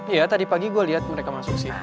iya tadi pagi gue liat mereka masuk ke penjara